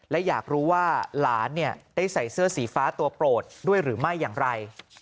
และอยากรู้ว่าหลานได้ใส่เสื้อสีฟ้าตัวโปรดด้วยหรือไม่อย่างไร